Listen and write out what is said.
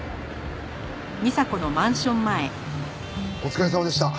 お疲れさまでした。